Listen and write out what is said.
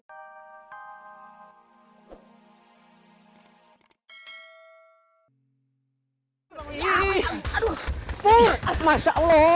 bur masya allah